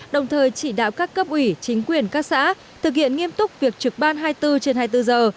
đồng thời chỉ đạo các cấp ủy chính quyền các xã thực hiện nghiêm túc việc trực ban hai mươi bốn trên hai mươi bốn giờ